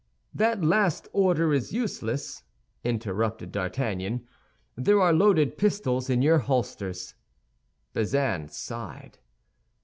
"That last order is useless," interrupted D'Artagnan; "there are loaded pistols in your holsters." Bazin sighed.